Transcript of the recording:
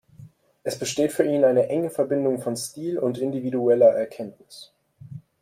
Es besteht für ihn eine enge Verbindung von Stil und individueller Erkenntnis.